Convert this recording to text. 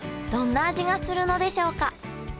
どんな味がするのでしょうか？